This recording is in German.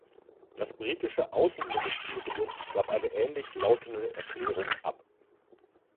Das britische Außenministerium gab eine ähnlich lautende Erklärung ab.